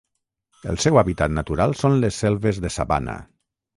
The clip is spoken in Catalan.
El seu hàbitat natural són les selves de sabana.